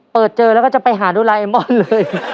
เปิดเจอแล้วก็จะไปหาดูลายเอมอนเลย